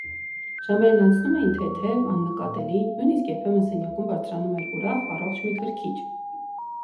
Ժամերն անցնում էին թեթև, աննկատելի, նույնիսկ երբեմն սենյակում բարձրանում էր ուրախ առողջ մի քրքիջ: